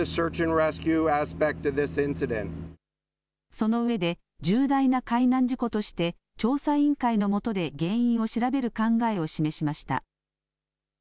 その上で、重大な海難事故として、調査委員会の下で原因を調べる考えを示しました。